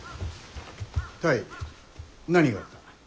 泰何があった？